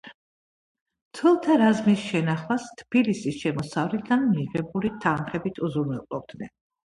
მცველთა რაზმის შენახვას თბილისის შემოსავლიდან მიღებული თანხებით უზრუნველყოფდნენ.